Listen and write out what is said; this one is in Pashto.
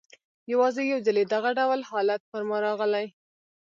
یوازي یو ځلې دغه ډول حالت پر ما راغلی.